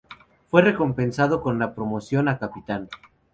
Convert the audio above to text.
Fue recompensado con la promoción a capitán.